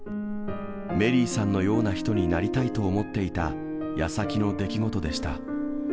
メリーさんのような人になりたいと思っていたやさきの出来事でした。